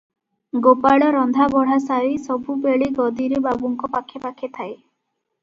ଗୋପାଳ ରନ୍ଧାବଢ଼ା ସାରି ସବୁବେଳେ ଗଦିରେ ବାବୁଙ୍କ ପାଖେ ପାଖେ ଥାଏ ।